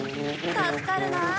助かるなあ。